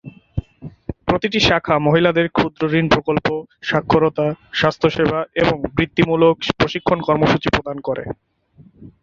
প্রতিটি শাখা মহিলাদের ক্ষুদ্রঋণ প্রকল্প, সাক্ষরতা, স্বাস্থ্য সেবা এবং বৃত্তিমূলক প্রশিক্ষণ কর্মসূচি প্রদান করে।